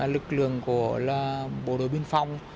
lực lượng của là bộ đội binh phòng